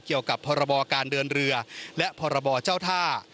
เกี่ยวกับพรบการเดินเรือและพรบเจ้าท่า